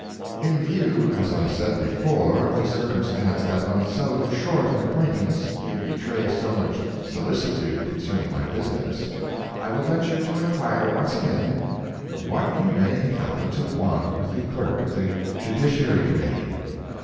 "In view, as I said before, of the circumstance that on so short an acquaintance you betray so much solicitude concerning my business, I will venture to inquire once again, what you may happen to want with the clerk of the Judiciary Committee?"